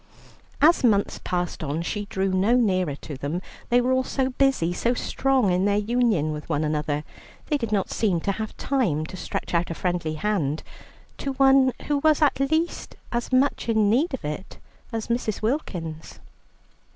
As months passed on, she drew no nearer to them. They were all so busy, so strong in their union with one another, they did not seem to have time to stretch out a friendly hand to one who was at least as much in need of it as Mrs. Wilkins.